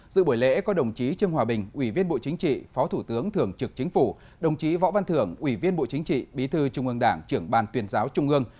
dự buổi lễ có đồng chí trương hòa bình ủy viên bộ chính trị phó thủ tướng thường trực chính phủ đồng chí võ văn thưởng ủy viên bộ chính trị bí thư trung ương đảng trưởng ban tuyên giáo trung ương